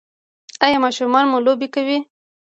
ایا ماشومان مو لوبې کوي؟